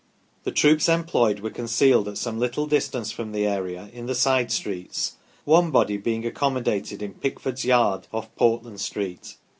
The troops employed were concealed at some little distance from the area, in the side streets ; one body being accommodated in Pickford's yard, off Portland Street.